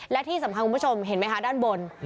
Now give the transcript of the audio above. และที่สำคัญคุณผู้ชมเห็นไหมคะด้านบน